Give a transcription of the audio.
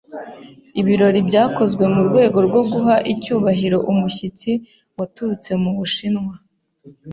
Ibirori byakozwe mu rwego rwo guha icyubahiro umushyitsi waturutse mu Bushinwa.